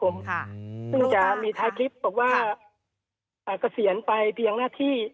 ซึ่งจะมีท้ายคลิปบอกว่าเกษียณไปเพียงหน้าที่